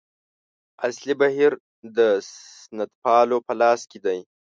اصلي بهیر د سنتپالو په لاس کې دی.